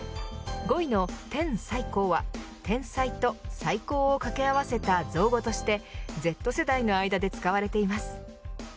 ５位の天最高は天才と最高を掛け合わせた造語としてＺ世代の間で使われています。